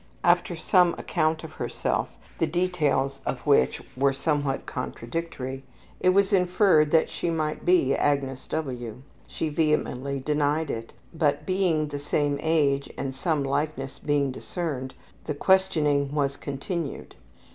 After some account of herself, the details of which were somewhat contradictory, it was inferred that she might be Agnes W. She vehemently denied it, but being the same age and some likeness being discerned, the questioning was continued.